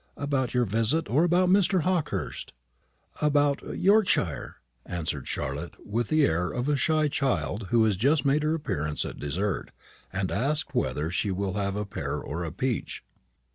"About your visit, or about Mr. Hawkehurst?" "About Yorkshire," answered Charlotte, with the air of a shy child who has made her appearance at dessert, and is asked whether she will have a pear or a peach.